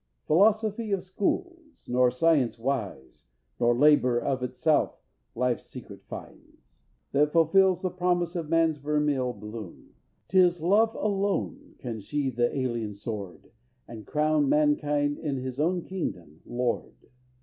Philosophy of schools, nor science wise, Nor labor, of itself, life's secret finds, That fills the promise of man's vermeil bloom. 'Tis love alone can sheathe the alien sword, And crown mankind in his own kingdom lord."